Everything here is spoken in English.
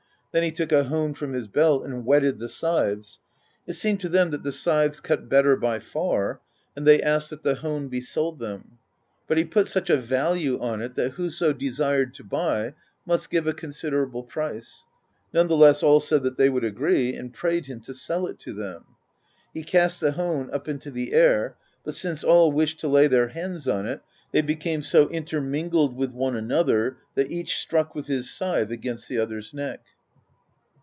Then he took a hone from his belt and whetted the scythes; it seemed to them that the scythes cut better by far, and they asked that the hone be sold them. But he put such a value on it that whoso desired to buy must give a consider able price : nonetheless all said that they would agree, and prayed him to sell it to them. He cast the hone up into the air; but since all wished to lay their hands on it, they became so intermingled with one another that each struck with his scythe against the other's neck.